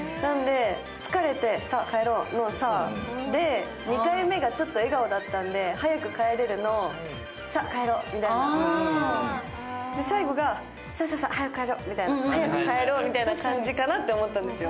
疲れてさぁ、帰ろうの「さぁ」で、２回目がちょっと笑顔だったので、早く帰れるのさぁ帰ろうみたいな、最後がさぁさぁさぁ早く帰ろうみたいな感じかなと思ったんですよ。